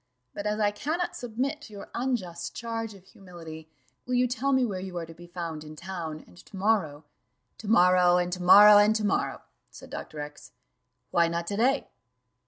But as I cannot submit to your unjust charge of humility, will you tell me where you are to be found in town, and to morrow " "To morrow, and to morrow, and to morrow," said Dr. X : "why not to day?"